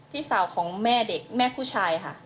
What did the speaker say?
พี่สาวของแม่เด็กแม่ผู้ชายค่ะ